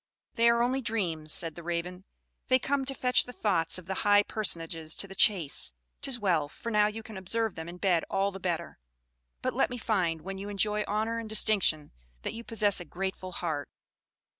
"They are only dreams," said the Raven. "They come to fetch the thoughts of the high personages to the chase; 'tis well, for now you can observe them in bed all the better. But let me find, when you enjoy honor and distinction, that you possess a grateful heart."